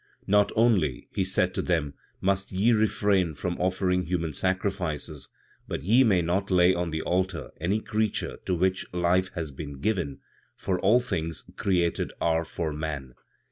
"Not only," he said to them, "must ye refrain from offering human sacrifices, but ye may not lay on the altar any creature to which life has been given, for all things created are for man.